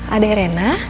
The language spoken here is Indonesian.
ada ya rena